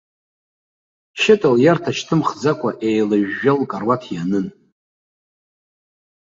Шьыта лиарҭа шьҭыхӡамкәа, еилажәжәа лкаруаҭ ианын.